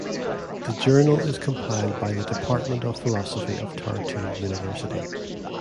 The journal is compiled by the Department of Philosophy of Tartu University.